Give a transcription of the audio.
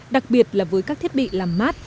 đặc biệt là với các thiết bị làm mát